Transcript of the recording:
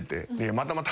「またまた！」